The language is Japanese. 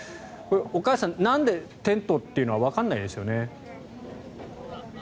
岡安さんなんでテントというのはわからないですよね。